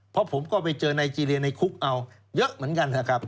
เพราะผมก็ไปเจอไนเจรียในคุกเอาเยอะเหมือนกันนะครับ